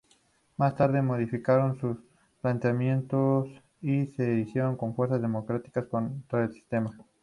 Más tarde modificaron sus planteamientos y se erigieron en fuerza democrática contra el sistema.